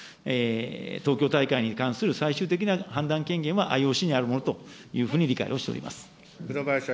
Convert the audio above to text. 東京大会に関する最終的な判断権限はＩＯＣにあるものというふう倉林明子さん。